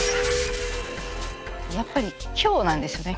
やっぱり今日なんですよね。